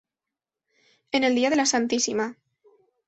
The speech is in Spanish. En el día de la Stma.